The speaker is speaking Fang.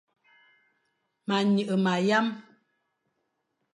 Ma nyeghe ma yam.